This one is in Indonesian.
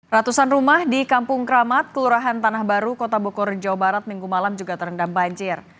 ratusan rumah di kampung kramat kelurahan tanah baru kota bogor jawa barat minggu malam juga terendam banjir